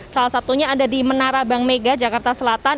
salah satunya ada di menara bank mega jakarta selatan